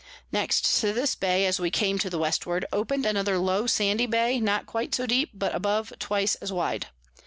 Next to this Bay, as we came to the Westward, open'd another low sandy Bay, not quite so deep, but above twice as wide.